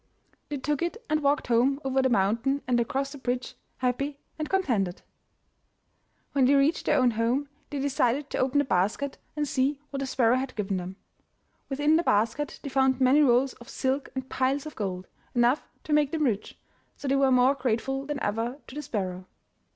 They took it and walked home over the mountain and across the bridge, happy and contented. When they reached their own home they decided to open the basket and see what the sparrow had given them. Within the basket they found many rolls of silk and piles of gold, enough to make them rich, so they were more grateful than ever to the sparrow.